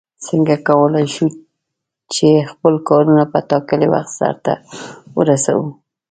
څنگه کولای شو چې خپل کارونه په ټاکلي وخت سرته ورسوو؟